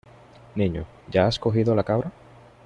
Niño, ¿ya has cogido la cabra?